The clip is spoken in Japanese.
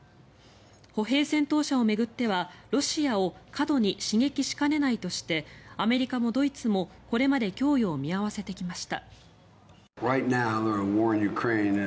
歩兵戦闘車を巡ってはロシアを過度に刺激しかねないとしてアメリカもドイツもこれまで供与を見合わせてきました。